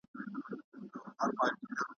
د خوبونو قافلې به دي لوټمه `